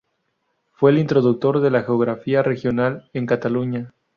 Fue el introductor de la Geografía Regional en Cataluña.